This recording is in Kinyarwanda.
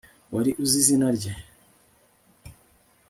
wari uzi izina rye